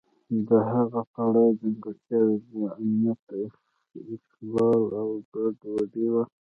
د هغه پړاو ځانګړتیاوې د امنیت اخلال او ګډوډي وه.